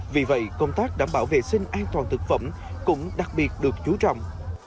vì vậy công tác đảm bảo vệ sinh an toàn thực phẩm cũng đặc biệt được chú trọng